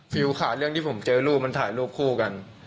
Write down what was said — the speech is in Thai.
ค่ะเรื่องที่ผมเจอรูปมันถ่ายรูปคู่กัน